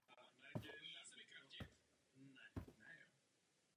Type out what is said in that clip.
Cyklus se skládá ze šestnácti románů.